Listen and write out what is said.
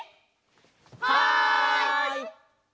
はい！